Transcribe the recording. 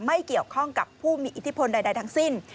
ไม่เกี่ยวข้องกับผู้มีอิทธิพลใดทั้งสิ้น